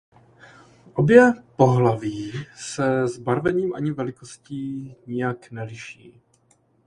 Obě pohlaví se zbarvením ani velikostí nijak neliší.